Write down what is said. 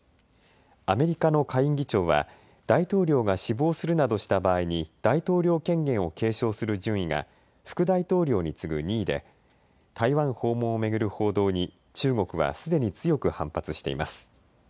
アメリカの下院議長は大統領が死亡するなどした場合に大統領権限を継承する順位が副大統領に次ぐ２位で台湾訪問を巡る報道に中国はすでに強く反発しています。